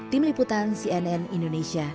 tim liputan cnn indonesia